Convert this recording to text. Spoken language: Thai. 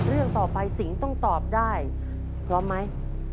เรื่องต่อไปสิงห์ต้องตอบได้พร้อมไหม